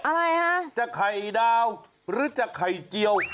อะไรฮะจะไข่ดาวหรือจะไข่เจียว